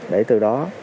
để từ đó